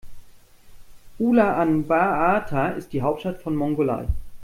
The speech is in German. Ulaanbaatar ist die Hauptstadt von Mongolei.